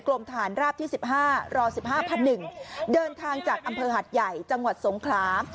กลมทางราภที่สิบห้ารอสิบห้าพันหนึ่งเดินทางจากอำเภอหัดใหญ่จังหวัดสงครา